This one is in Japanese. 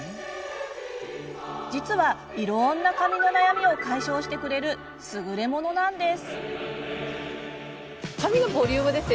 実は、いろんな髪の悩みを解消してくれるすぐれものなんです。